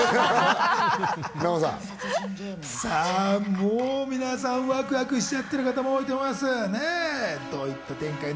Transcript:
もう皆さん、ワクワクしちゃってると思います。